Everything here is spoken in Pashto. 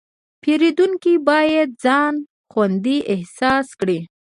پیرودونکی باید ځان خوندي احساس کړي.